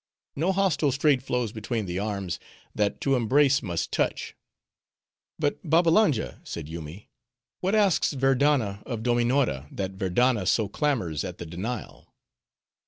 No hostile strait flows between the arms, that to embrace must touch." "But, Babbalanja," said Yoomy, "what asks Verdanna of Dominora, that Verdanna so clamors at the denial?"